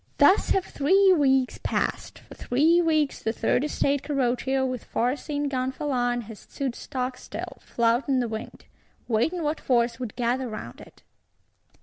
Thus have three weeks passed. For three weeks, the Third Estate Carroccio, with far seen Gonfalon, has stood stockstill, flouting the wind; waiting what force would gather round it.